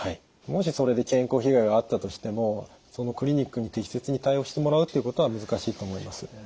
もしそれで健康被害があったとしてもそのクリニックに適切に対応してもらうっていうことは難しいと思います。